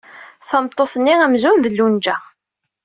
Tameṭṭut-nni amzun d Lunja.